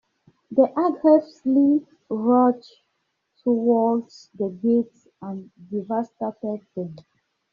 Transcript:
They aggressively rushed towards the gate and devastated them.